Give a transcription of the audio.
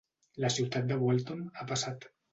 La ciutat de Walton ha passat.